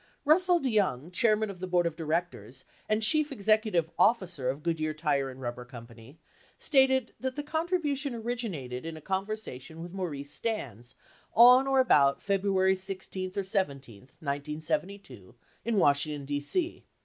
Russell DeYoung, chairman of the board of directors and chief executive officer of Goodyear Tire & Rubber Co., stated that the contribution originated in a conversation with Maurice Stans on or about February 16 or 17, 1972, in Washington, D.C.